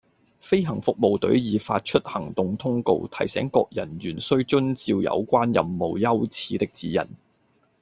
飛行服務隊已發出行動通告，提醒各人員須遵照有關任務優次的指引